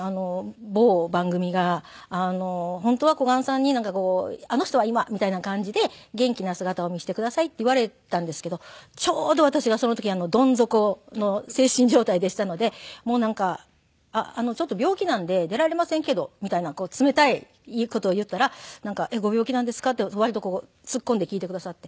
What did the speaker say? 某番組が本当は小雁さんに「あの人は今」みたいな感じで「元気な姿を見せてください」って言われたんですけどちょうど私がその時どん底の精神状態でしたのでもうなんか「ちょっと病気なんで出られませんけど」みたいな冷たい事を言ったら「ご病気なんですか？」って割と突っ込んで聞いてくださって。